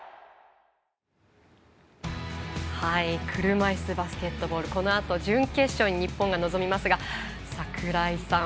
車いすバスケットボールこのあと準決勝に日本が臨みますが櫻井さん